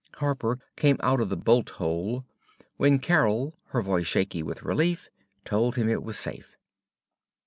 Harper came out of the bolt hole when Carol, her voice shaky with relief, told him it was safe.